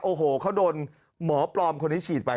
โอ้โหเขาโดนหมอปลอมคนนี้ฉีดไป